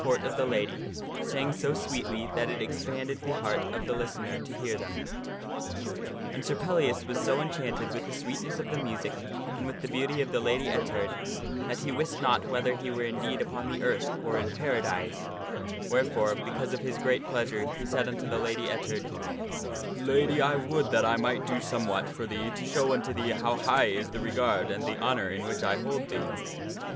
rt of the lady sang so sweetly that it expanded the heart of the listener to hear them. And Sir Pellias was so enchanted with the sweetness of the music, and with the beauty of the Lady Ettard, that he wist not whether he were indeed upon the earth or in Paradise, wherefore, because of his great pleasure, he said unto the Lady Ettard, " Lady, I would that I might do somewhat for thee to show unto thee how high is the regard and the honor in which I hold thee."